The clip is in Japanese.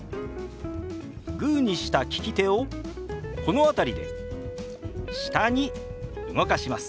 グーにした利き手をこの辺りで下に動かします。